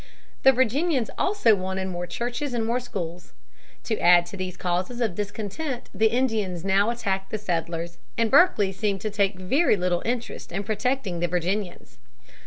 The Virginians also wanted more churches and more schools. To add to these causes of discontent the Indians now attacked the settlers, and Berkeley seemed to take very little interest in protecting the Virginians.